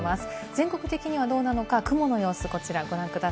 全国的にはどうなのか、雲の様子こちらです。